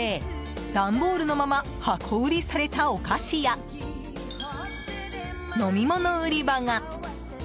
段ボールのまま箱売りされたお菓子や、飲み物売り場が。